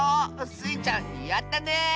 スイちゃんやったね！